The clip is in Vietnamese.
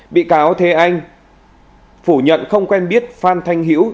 bị cáo thế anh phủ nhận không quen biết phan thanh hữu